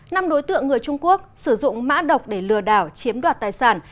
năm đối tượng người trung quốc sử dụng mã độc để lừa đảo chiếm đoạt tài sản